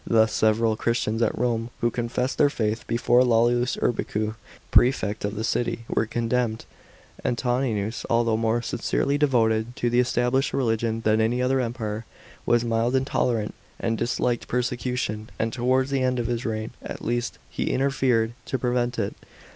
Thus several Christians at Rome, who confessed their faith before Lollius Urbicu*, prefect of the city, were condemned. Antoninus, although more sincerely devoted to the established religion than any other Emperor, was mild and tolerant, and disliked persecu tion; and towards the end of his reign at least, he interfered to prevent it.